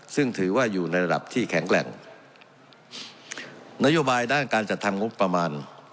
ซึ่งถือว่าอยู่ในระดับที่แข็งแรงนโยบายด้านการจัดทำงบประมาณ